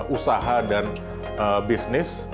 usaha dan bisnis